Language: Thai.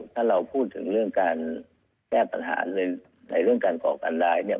ถ้าเราพูดถึงเรื่องการแก้ปัญหาในเรื่องการก่อการร้ายเนี่ย